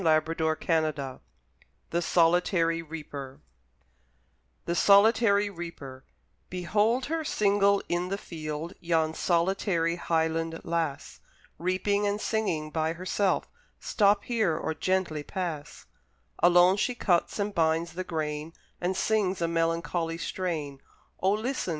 William Wordsworth The Solitary Reaper from Memorials of a Tour in Scotland, 1803 BEHOLD her, single in the field, Yon solitary Highland Lass! Reaping and singing by herself; Stop here, or gently pass! Alone she cuts and binds the grain, And sings a melancholy strain; O listen!